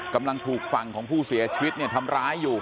กำลังถูกฝั่งของผู้เสียชีวิตทำร้ายอยู่